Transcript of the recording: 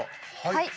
はい。